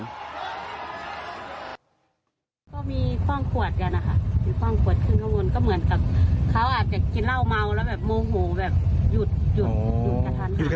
ก็มีคว่างขวดกันนะคะมีคว่างขวดขึ้นข้างบนก็เหมือนกับเขาอาจจะกินเหล้าเมาแล้วแบบโมโหแบบหยุดหยุดกระทันหัน